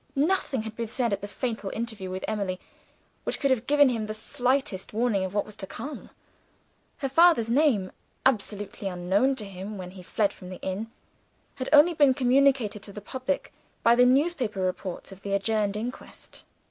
Nothing had been said at the fatal interview with Emily, which could have given him the slightest warning of what was to come. Her father's name absolutely unknown to him when he fled from the inn had only been communicated to the public by the newspaper reports of the adjourned inquest.